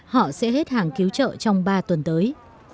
họ sẽ hết hàng cứu trợ trong ba tuần tới